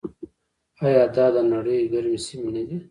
آیا دا د نړۍ ګرمې سیمې نه دي؟